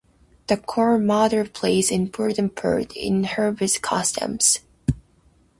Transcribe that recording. The Corn Mother plays an important part in harvest customs.